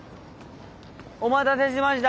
お待たせしました。